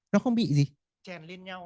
nó không bị gì chèn lên nhau